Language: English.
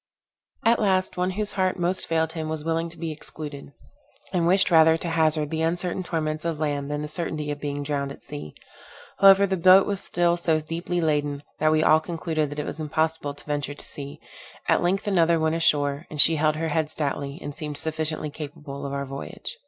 At last, one whose heart most failed him was willing to be excluded, and wished rather to hazard the uncertain torments of land, than the certainty of being drowned at sea. However the boat was still so deeply laden, that we all concluded that it was impossible to venture to sea. At length another went ashore, and she held her head stoutly, and seemed sufficiently capable of our voyage.